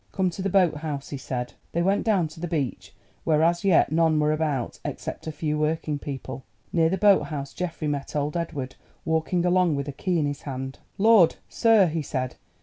"Come to the boat house," he said. They went down to the beach, where as yet none were about except a few working people. Near the boat house Geoffrey met old Edward walking along with a key in his hand. "Lord, sir!" he said.